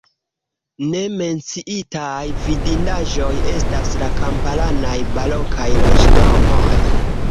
Ne menciitaj vidindaĵoj estas la kamparanaj barokaj loĝdomoj.